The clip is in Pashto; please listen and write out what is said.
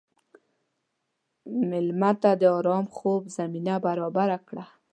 مېلمه ته د ارام خوب زمینه برابره کړه.